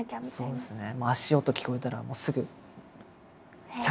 そうですね。